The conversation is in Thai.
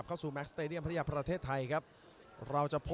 จังหวาดึงซ้ายตายังดีอยู่ครับเพชรมงคล